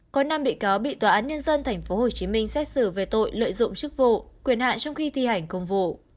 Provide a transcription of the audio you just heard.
có năm bị cáo bị tòa án nhân dân tp hcm xét xử về tội lợi dụng chức vụ quyền hạn trong khi thi hành công vụ